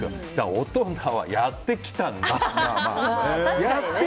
大人はやってきたんだって！